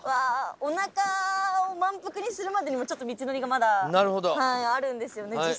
おなかを満腹にするまでにも道のりがまだあるんですよね